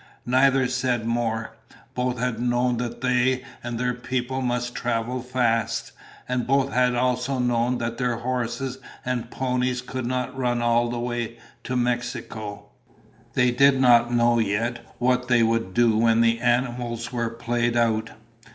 Neither said more. Both had known that they and their people must travel fast. And both had also known that their horses and ponies could not run all the way to Mexico. They did not know yet what they would do when the animals were played out.